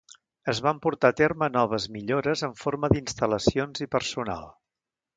Es van portar a terme noves millores en forma d'instal·lacions i personal.